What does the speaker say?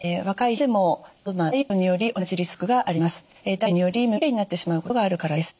ダイエットにより無月経になってしまうことがあるからです。